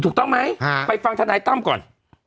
ถูกต้องไหมไปฟังธนายตั้มก่อน